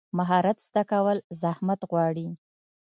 مهارت زده کول زحمت غواړي.